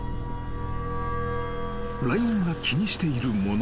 ［ライオンが気にしているもの。